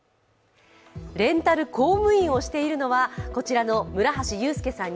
レンタル公務員をしているのはこちらの村橋友介さん